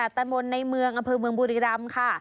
ตามนในเมืองอำเภอเมืองบุรีรัมค์ค่ะ